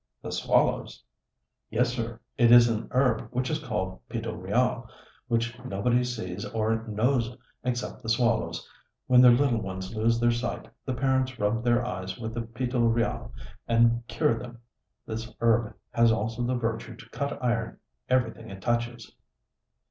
"The swallows?" "Yes, sir. It is an herb which is called 'pito real,' which nobody sees or knows except the swallows: when their little ones lose their sight the parents rub their eyes with the pito real, and cure them. This herb has also the virtue to cut iron everything it touches."